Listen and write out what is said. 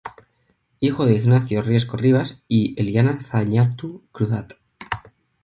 Hijo de Ignacio Riesco Rivas y Eliana Zañartu Cruzat.